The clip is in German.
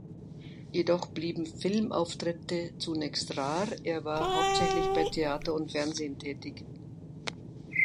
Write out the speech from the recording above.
Jedoch blieben Filmauftritte zunächst rar, er war hauptsächlich bei Theater und Fernsehen tätig.